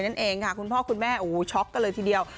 นั่นเองค่ะคุณพ่อคุณแม่โอ้โหช็อกกันเลยทีเดียว